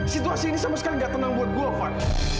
situasi ini sama sekali gak tenang buat gue fun